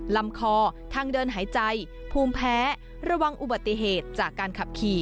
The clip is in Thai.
ลำคอทางเดินหายใจภูมิแพ้ระวังอุบัติเหตุจากการขับขี่